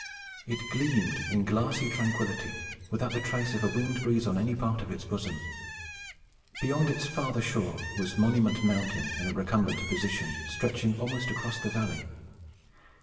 It gleamed in glassy tranquillity, without the trace of a winged breeze on any part of its bosom. Beyond its farther shore was Monument Mountain, in a recumbent position, stretching almost across the valley.